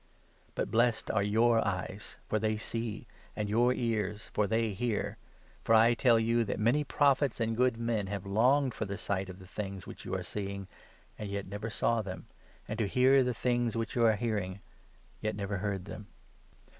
But blessed are your eyes, for they see, and your ears, for they 16 hear ; for I tell you that many Prophets and good men have 17 longed for the sight of the things which you are seeing, yet never saw them, and to hear the things which you are hearing, yet never heard them.